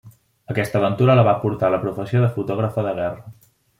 Aquesta aventura la va portar a la professió de fotògrafa de guerra.